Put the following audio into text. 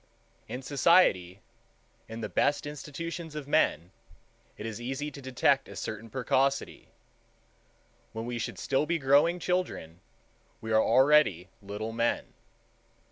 In society, in the best institutions of men, it is easy to detect a certain precocity. When we should still be growing children, we are already little men.